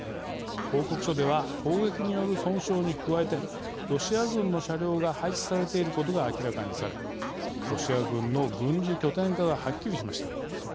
報告書では砲撃による損傷に加えてロシア軍の車両が配置されていることが明らかにされロシア軍の軍事拠点化がはっきりしました。